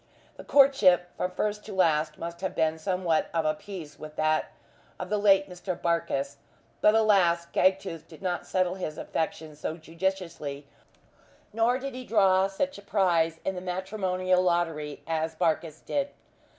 The courtship, from first to last, must have been somewhat of a piece with that of the late Mr. Barkis. But alas! Gagtooth did not settle his affections so judiciously, nor did he draw such a prize in the matrimonial lottery as Barkis did.